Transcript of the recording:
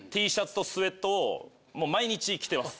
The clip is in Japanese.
もう毎日着てます。